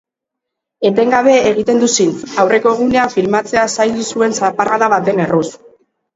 Etengabe egiten du zintz, aurreko egunean filmatzea zaildu zuen zaparrada baten erruz.